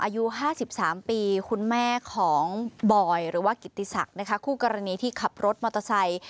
อายุ๕๓ปีคุณแม่ของบอยหรือว่ากิติศักดิ์นะคะคู่กรณีที่ขับรถมอเตอร์ไซค์